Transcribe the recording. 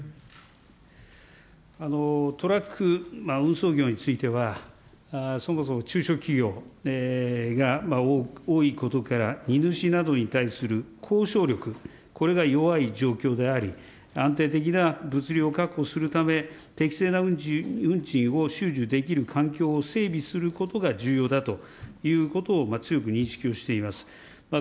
トラック運送業については、そもそも中小企業が多いことから、荷主などに対する交渉力、これが弱い状況であり、安定的な物流を確保するため、適正な運賃をしゅじゅできる環境を整備することが重要だということを強く認識をしています。